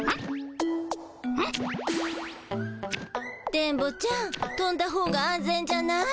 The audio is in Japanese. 電ボちゃん飛んだほうが安全じゃない？